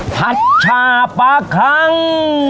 ผัดฉ่าประครั้ง